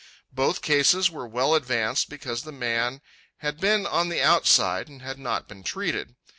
Both cases were well advanced because the man had been on the outside and had not been treated.